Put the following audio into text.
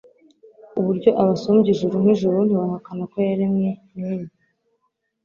Uburyo abasumbya ijuru nk' ijuru Ntiwahakana ko yaremwe n' enye